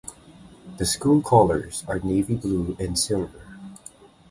The school colors are navy blue and silver.